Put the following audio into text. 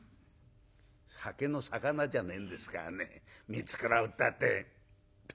「酒の肴じゃねえんですからね見繕うったって。